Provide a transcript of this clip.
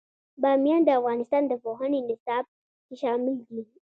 بامیان د افغانستان د پوهنې نصاب کې شامل دي.